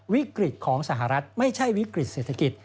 วิกฤตของสหรัฐไม่ใช่วิกฤติเศรษฐกิจ